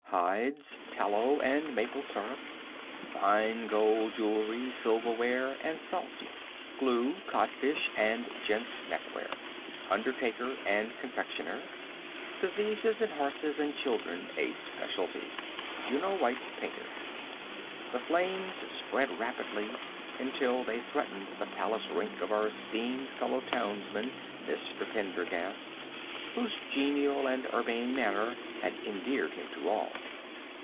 Hides, Tallow, and Maple Syrup. Fine Gold Jewelry, Silverware, and Salt. Glue, Codfish, and Gent's Neckwear. Undertaker and Confectioner. Diseases of Horses and Children a Specialty. Jno. White, Ptr. The flames spread rapidly, until they threatened the Palace rink of our esteemed fellow townsman, Mr. Pendergast, whose genial and urbane manner has endeared him to all.